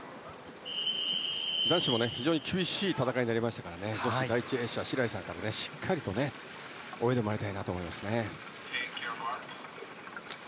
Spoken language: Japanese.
男子も厳しい戦いになりましたから女子の第１泳者白井さんからしっかりと泳いでもらいたいと思いますね。